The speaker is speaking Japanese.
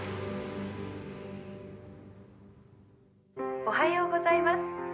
「おはようございます」